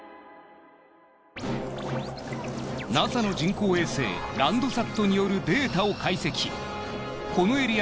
ＮＡＳＡの人工衛星ランドサットによるデータを解析。